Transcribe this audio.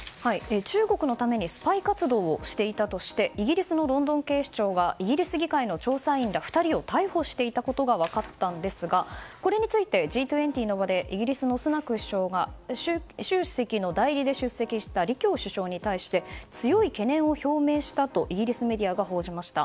中国のためにスパイ活動をしていたとしてイギリスのロンドン警視庁がイギリス議会の調査員ら２人を逮捕していたことが分かったんですがこれについて、Ｇ２０の場でイギリスのスナク首相が習主席の代理で出席した李強首相に対して強い懸念を表明したとイギリスメディアが報じました。